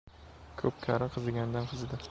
Ko‘pkari qizigandan-qizidi.